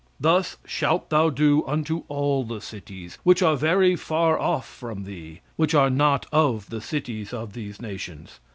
"Thus shalt thou do unto all the cities which are very far off from thee, which are not of the cities of these nations.